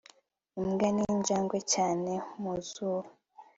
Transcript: imbwa ninjangwe cyane mu zuba